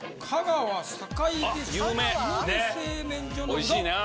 おいしいな。